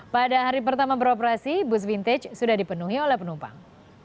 pada hari pertama beroperasi bus vintage sudah dipenuhi oleh penumpang